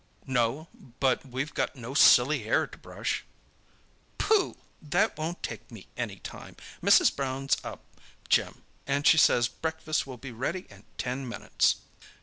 "No; but we've got no silly hair to brush!" "Pooh!—that won't take me any time. Mrs. Brown's up, Jim, and she says breakfast will be ready in ten minutes."